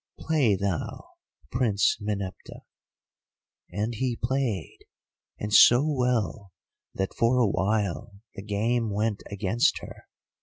Play thou, Prince Meneptah.' "And he played, and so well that for a while the game went against her.